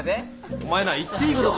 お前な言っていいことと。